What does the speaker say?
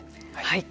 はい。